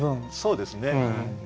そうですね。